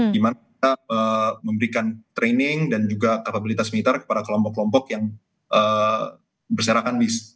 gimana kita memberikan training dan juga kapabilitas militer kepada kelompok kelompok yang berserakan di sekitar timur tengah